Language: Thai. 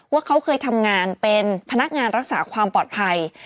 ว่าเขาเคยทำงานเป็นพนักงานรักษาความปลอดภัย